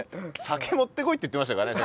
「酒持ってこい」って言ってましたからね。